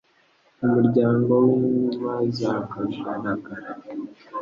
mu muryango w'Inkima za Kagaragara